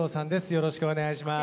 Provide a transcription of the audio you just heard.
よろしくお願いします。